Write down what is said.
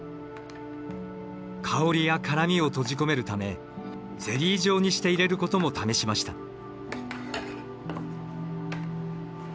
香りや辛みを閉じ込めるためゼリー状にして入れることも試しました。